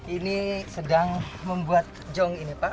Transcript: ini sedang membuat jong ini pak